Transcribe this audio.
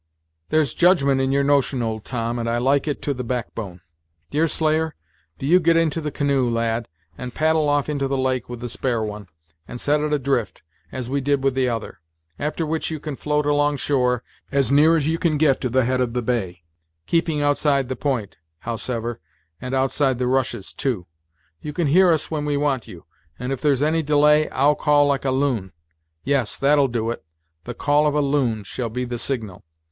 "There's judgment in your notion, old Tom, and I like it to the backbone. Deerslayer, do you get into the canoe, lad, and paddle off into the lake with the spare one, and set it adrift, as we did with the other; after which you can float along shore, as near as you can get to the head of the bay, keeping outside the point, howsever, and outside the rushes, too. You can hear us when we want you; and if there's any delay, I'll call like a loon yes, that'll do it the call of a loon shall be the signal.